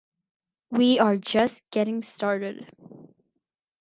We are just getting started.